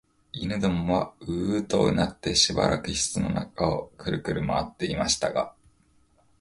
犬どもはううとうなってしばらく室の中をくるくる廻っていましたが、